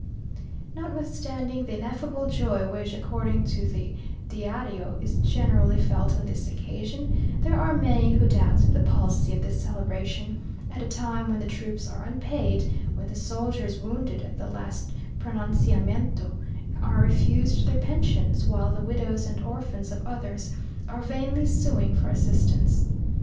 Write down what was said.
Notwithstanding the ineffable joy which, according to the Díario, is generally felt on this occasion, there are many who doubt the policy of this celebration, at a time when the troops are unpaid when the soldiers, wounded at the last pronunciamiento, are refused their pensions, while the widows and orphans of others are vainly suing for assistance.